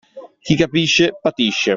Chi capisce, patisce.